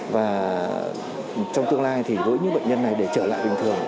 và trong tương lai thì với những bệnh nhân này để trở lại bình thường